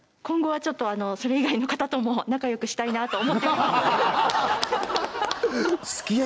今後はちょっとそれ以外の方とも仲良くしたいなと思っております